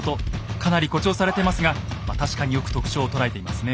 かなり誇張されてますがまあ確かによく特徴を捉えていますね。